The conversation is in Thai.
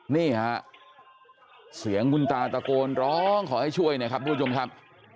นี่ฮะเสียงคุณตาตะโกนร้องขอให้ช่วยนะครับทุกผู้ชมครับ